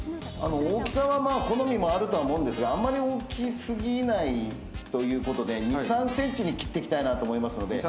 大きさは好みもあると思うんですがあまり大きすぎないということで２３ｃｍに切っていきたいなと思いますので。